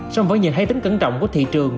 song với nhiều hay tính cẩn trọng của thị trường